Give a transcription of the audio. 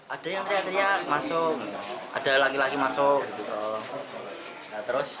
ada yang teriak teriak masuk ada laki laki masuk